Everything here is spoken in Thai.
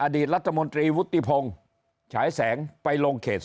อดีตรัฐมนตรีวุฒิพงศ์ฉายแสงไปลงเขต